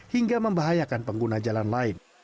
hingga membahayakan pengguna jalan lain